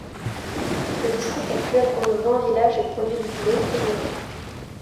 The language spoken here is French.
Le district actuel compte vingt villages et produit du blé et du riz.